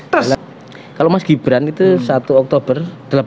pak mahfud dan mas gibran itu satu oktober seribu sembilan ratus delapan puluh tujuh